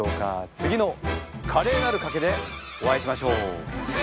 次の「カレーなる賭け」でお会いしましょう。